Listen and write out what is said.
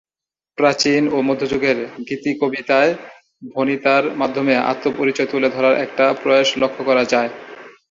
প্রাচীন ও মধ্যযুগের গীতিকবিতায় ভণিতার মাধ্যমে আত্মপরিচয় তুলে ধরার একটা প্রয়াস লক্ষ্য করা যায়।